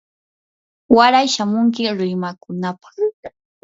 waray shamunki rimakunapaq.